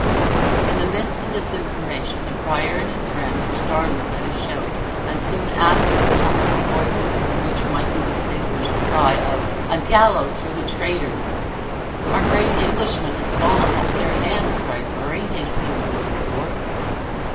In the midst of this information, the prior and his friends were startled by a shout, and soon after a tumult of voices, in which might be distinguished the cry of "A gallows for the traitor!" "Our brave Englishman has fallen into their hands," cried Murray, hastening toward the door.